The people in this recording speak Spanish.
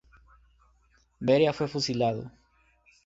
Beria fue fusilado.